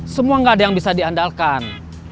semua nggak ada yang bisa diandalkan